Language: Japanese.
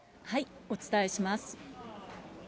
お伝えします。